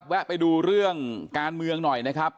แวะไปดูเรื่องการเมืองหน่อยนะครับ